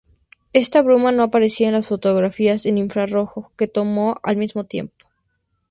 Esta bruma no aparecía en las fotografías en infrarrojo que tomó al mismo tiempo.